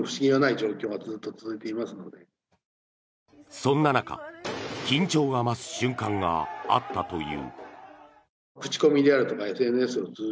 そんな中、緊張が増す瞬間があったという。